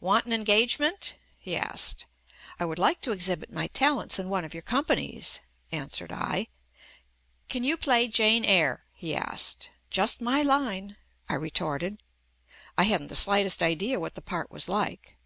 "Want an engagement?" he asked. "I would like to exhibit my talents in one of your companies," answered I. "Can you play 'Jane Eyre,' " he asked. "Just my line," I retorted. I hadn't the slightest idea what the part was like.